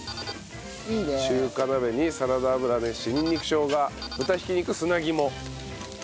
中華鍋にサラダ油を熱しニンニクしょうが豚ひき肉砂肝。